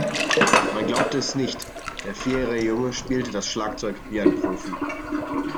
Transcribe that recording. Man glaubte es nicht, der vierjährige Junge spielte das Schlagzeug wie ein Profi.